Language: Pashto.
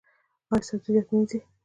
ایا سبزیجات مینځئ؟